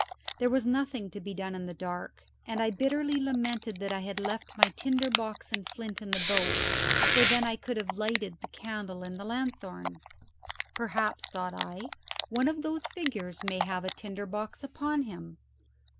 There was nothing to be done in the dark, and I bitterly lamented that I had left my tinder box and flint in the boat, for then I could have lighted the candle in the lanthorn. "Perhaps," thought I, "one of those figures may have a tinder box upon him."